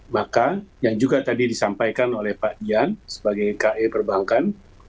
maka yang juga tadi disampaikan oleh pak dian sebagai ke perbankan